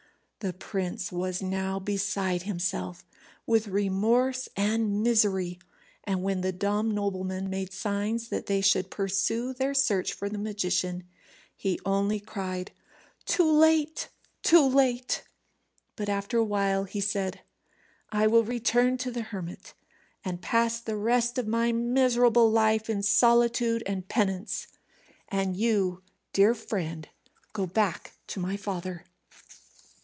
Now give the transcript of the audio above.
The prince was now beside himself with remorse and misery, and when the dumb nobleman made signs that they should pursue their search for the magician, he only cried, "Too late! too late!" But after a while he said, "I will return to the hermit, and pass the rest of my miserable life in solitude and penance. And you, dear friend, go back to my father."